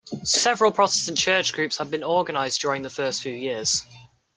Several Protestant church groups had been organized during the first few years.